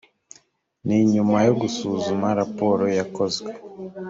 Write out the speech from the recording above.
ni nyuma yo gusuzuma raporo yakozwe